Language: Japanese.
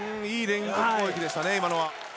いい連続攻撃でしたね。